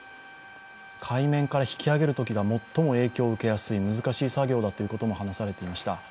海面から引き揚げるときが最も影響を受けやすい、難しい作業だということも話されていました。